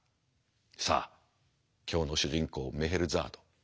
さあ今日の主人公メヘルザード。